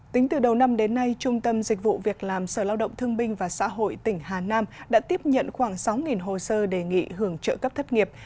tính từ đầu năm đến nay trung tâm dịch vụ việc làm sở lao động thương binh và xã hội tỉnh hà nam đã tiếp nhận khoảng sáu hồ sơ đề nghị hưởng trợ cấp thất nghiệp